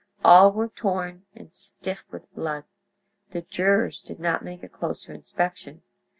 All were torn, and stiff with blood. The jurors did not make a closer inspection.